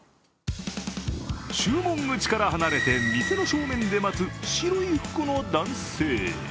注文口から離れて店の正面で待つ白い服の男性。